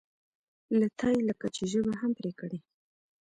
له تا یې لکه چې ژبه هم پرې کړې.